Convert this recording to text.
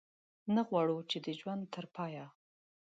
نه غواړو چې د ژوند تر پایه.